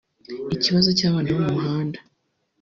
”Ikibazo cy’abana bo mu muhanda